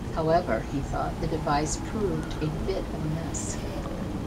However he thought the device "proved a bit of a mess".